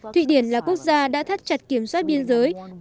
thụy điển là quốc gia đã thắt chặt kiểm soát biên giới